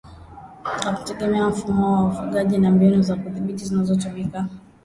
Kwa kutegemea mfumo wa ufugaji na mbinu za kuudhibiti zinazotumika